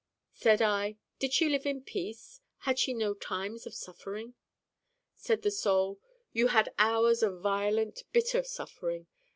Said I: 'Did she live in peace had she no times of suffering?' Said the Soul: 'You had hours of violent bitter suffering.